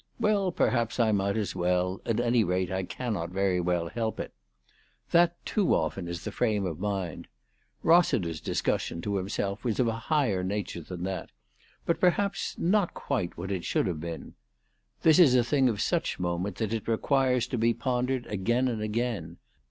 " Well ; perhaps I might as well. At any rate I cannot very well help it." That too often is the frame of mind. Rossiter's discussion to himself was of a higher nature than that, but perhaps not quite what it should have been. " This is a thing of such moment that it requires to be pondered again and again.